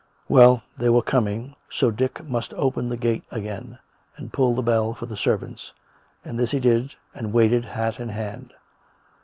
Well, they were coming, so Dick must open the gate again, and pull the bell for the servants; and this he did, and waited, hat in hand.